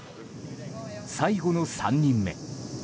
最後の３人目。